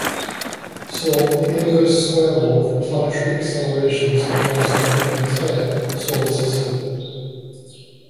So the inverse square law for planetary accelerations applies throughout the entire solar system.